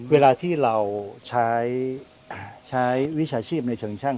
เวลาที่เราใช้วิชาชีพในเชิงช่าง